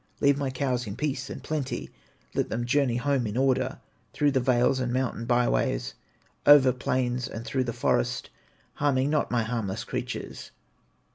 Leave my cows in peace and plenty, Let them journey home in order, Through the vales and mountain by ways, Over plains and through the forest, Harming not my harmless creatures.